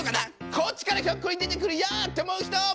こっちからひょっこり出てくるよって思う人！